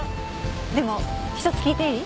でも１つ聞いていい？